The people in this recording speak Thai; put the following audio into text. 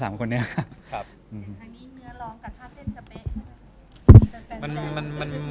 ครั้งนี้เนื้อร้องกับภาพเท่นจะเป๊ะหรือเปล่า